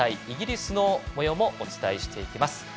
イギリスのもようお伝えしていきます。